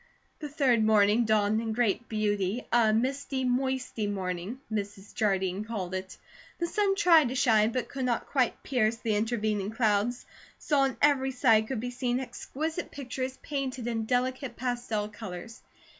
The third morning dawned in great beauty, a "misty, moisty morning," Mrs. Jardine called it. The sun tried to shine but could not quite pierce the intervening clouds, so on every side could be seen exquisite pictures painted in delicate pastel colours.